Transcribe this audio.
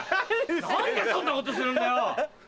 何でそんなことするんだよ！